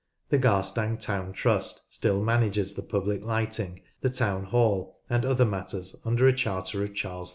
The Garstang Town Trust still manages the public lighting, the Town Hall, and other matters under a charter of Charles II.